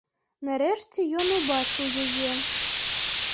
Нарэшце ён убачыў яе.